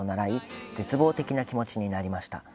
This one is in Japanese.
絶望的な気持ちになりました。